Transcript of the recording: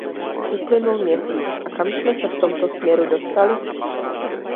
Uplynul měsíc, a kam jsme se v tomto směru dostali?